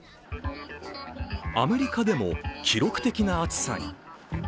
アメリカでも記録的な暑さに。